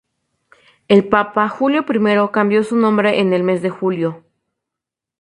El papa Julio I cambió su nombre en el mes de julio.